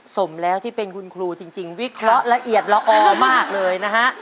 สมแล้วที่เป็นคุณครูจริงวิเคราะห์ละเอียดละออมากเลยนะฮะ